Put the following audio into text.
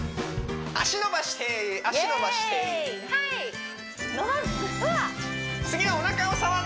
足伸ばして足伸ばしてはい伸ばすっ